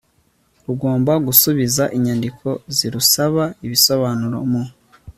rugomba gusubiza inyandiko zirusaba ibisobanuro mu